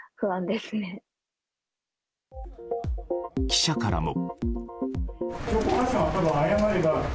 記者からも。